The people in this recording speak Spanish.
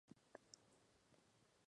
La temática de sus obras fue variada.